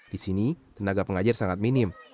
di sini tenaga pengajar sangat minim